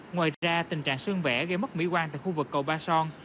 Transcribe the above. ngoài ra tình trạng sơn vẽ gây mất mỹ quan tại khu vực cầu ba son